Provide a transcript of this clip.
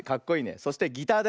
そしてギターだよ。